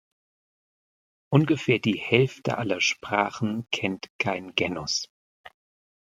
Ungefähr die Hälfte aller Sprachen kennt kein Genus.